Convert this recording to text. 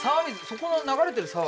そこの流れてる沢？